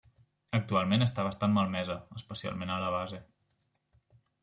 Actualment està bastant malmesa, especialment a la base.